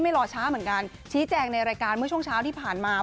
รอช้าเหมือนกันชี้แจงในรายการเมื่อช่วงเช้าที่ผ่านมา